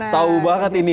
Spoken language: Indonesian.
tahu banget ini